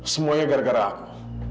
semuanya gara gara aku